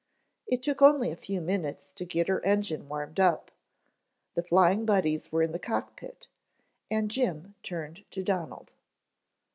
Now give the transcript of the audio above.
It took only a few minutes to get her engine warmed up, the Flying Buddies were in the cock pit, and Jim turned to Donald.